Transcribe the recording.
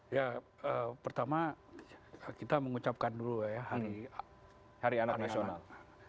ya pertama kita mengucapkan dulu ya hari anak nasional